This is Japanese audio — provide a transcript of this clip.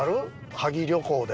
萩旅行で。